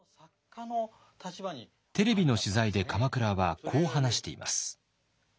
テレビの取材で鎌倉はこう話しています。